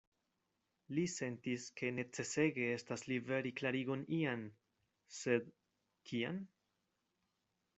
Li sentis, ke necesege estas liveri klarigon ian; sed kian?